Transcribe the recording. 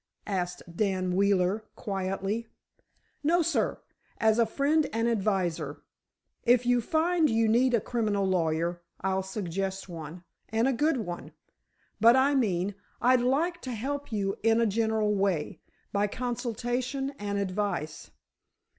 asked Dan Wheeler, quietly. "No, sir; as a friend and adviser. If you find you need a criminal lawyer, I'll suggest one—and a good one. But I mean, I'd like to help you in a general way, by consultation and advice.